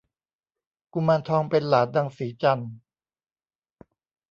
กุมารทองเป็นหลานนางสีจันทร์